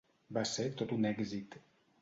Va ser tot un èxit.